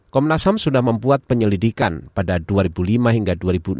komnas ham sudah membuat penyelidikan pada dua ribu lima hingga dua ribu enam belas